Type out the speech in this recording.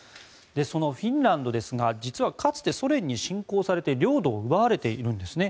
そのフィンランドですが実はかつてソ連に侵攻されて領土を奪われているんですね。